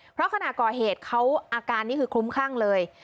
เพราะขณะก่อเหตุเขาอาการนี่คือคลุ้มคลั่งเลย